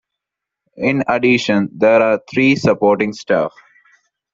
In addition, there are three supporting staff.